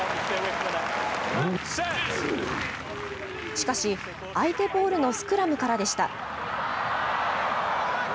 しかし、相手ボールのスクラムからでした。